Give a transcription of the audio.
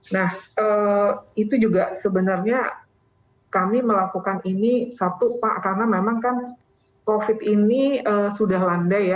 nah itu juga sebenarnya kami melakukan ini satu pak karena memang kan covid ini sudah landai ya